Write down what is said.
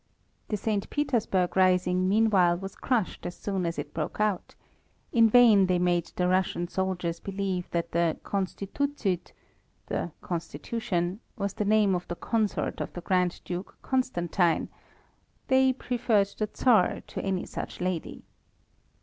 The St. Petersburg rising meanwhile was crushed as soon as it broke out. In vain they made the Russian soldiers believe that the "Constitutsyd" (the constitution) was the name of the consort of the Grand Duke Constantine they preferred the Tsar to any such lady.